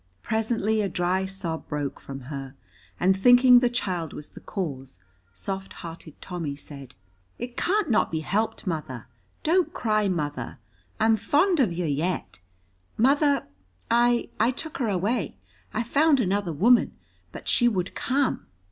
Presently a dry sob broke from her, and thinking the child was the cause, soft hearted Tommy said, "It can't not be helped, mother; don't cry, mother, I'm fond on yer yet, mother; I I took her away. I found another woman but she would come."